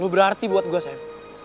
lo berarti buat gue sam